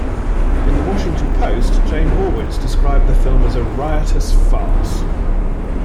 In "The Washington Post", Jane Horwitz described the film as a "riotous farce".